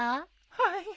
はい。